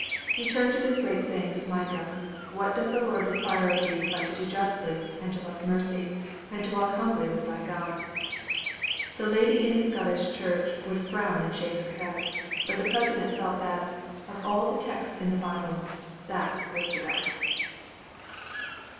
He turned to this great saying of Micah. 'What doth the Lord require of thee but to do justly and to love mercy and to walk humbly with thy God?' The lady in the Scottish church would frown and shake her head, but the President felt that, of all the texts in the Bible, that was the best.